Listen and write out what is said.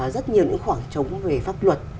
rất nhiều những khoảng trống về pháp luật